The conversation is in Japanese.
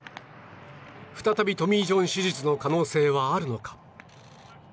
再び、トミー・ジョン手術の可能性はあるのか。